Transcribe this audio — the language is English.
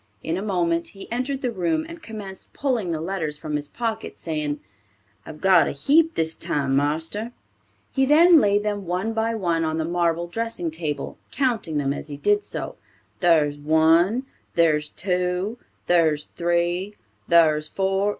In a moment he entered the room, and commenced pulling the letters from his pocket, saying, "I've got a heap this time, marster." He then laid them one by one on the marble dressing table, counting them as he did so; "Thar's one, thar's two, thar's three, thar's four."